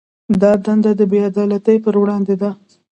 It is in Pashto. دا دنده د بې عدالتۍ پر وړاندې ده.